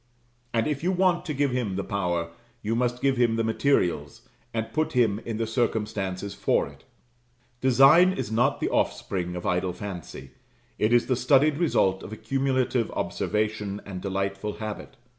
And if you want to give him the power, you must give him the materials, and put him in the circumstances for it. Design is not the offspring of idle fancy: it is the studied result of accumulative observation and delightful habit.